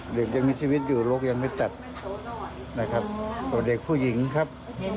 เด็กยังมีชีวิตอยู่โรคยังไม่ตัดนะครับตัวเด็กผู้หญิงครับ